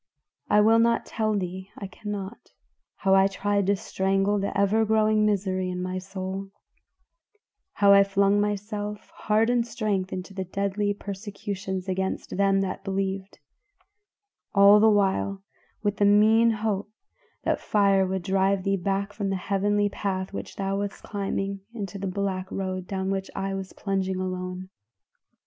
I will not tell thee I cannot how I tried to strangle the ever growing misery in my soul; how I flung myself, heart and strength, into the deadly persecutions against them that believed; all the while with the mean hope that the fire would drive thee back from the heavenly path which thou wast climbing into the black road down which I was plunging alone.